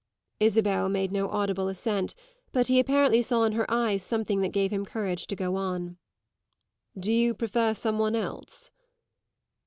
Isabel made no audible assent, but he apparently saw in her eyes something that gave him courage to go on. "Do you prefer some one else?"